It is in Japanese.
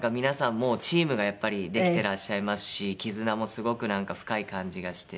もうチームがやっぱりできてらっしゃいますし絆もすごくなんか深い感じがしてまして。